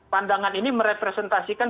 pandangan ini merepresentasikan